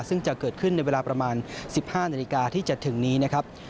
ซึ่งจะเกิดขึ้นในเวลาประมาณ๑๕นาฬิกาที่จะถึงนี้นะครับ